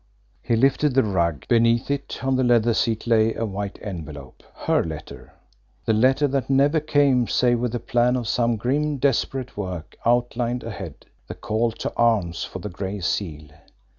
He lifted the rug. Beneath it on the leather seat lay a white envelope. Her letter! The letter that never came save with the plan of some grim, desperate work outlined ahead the call to arms for the Gray Seal.